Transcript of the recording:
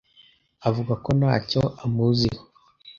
Avuga ko ntacyo amuziho.